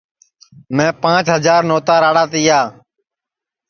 میں پانٚچ ہجار نوتا راݪا تیا